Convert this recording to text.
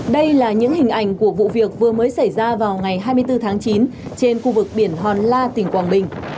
đây là những hình ảnh của vụ việc vừa mới xảy ra vào ngày hai mươi bốn tháng chín trên khu vực biển hòn la tỉnh quảng bình